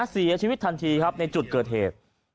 เสียชีวิตทันทีครับในจุดเกิดเหตุ